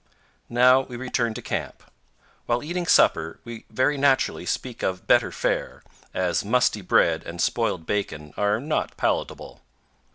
Now we return to camp. While eating supper we very naturally speak of better fare, as musty bread and spoiled bacon are not palatable.